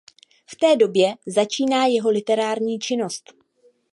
V té době začíná jeho literární činnost.